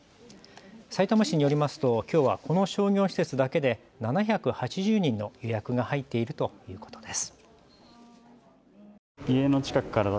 さいたま市によりますときょうはこの商業施設だけで７８０人の予約が入っているということです。